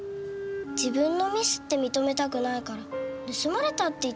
自分のミスって認めたくないから盗まれたって言ってるんです。